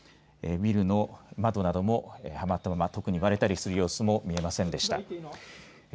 ビルの窓などもはまったまま特に割れたりする様子も見えませんでした。